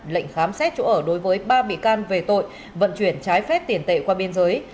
lệnh khám xét chỗ ở đối với ba bị can về tội vận chuyển trái phép tiền tệ qua biên giới